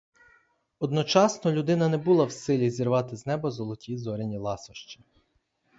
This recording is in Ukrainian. Одночасно людина не була в силі зірвати з неба золоті зоряні ласощі.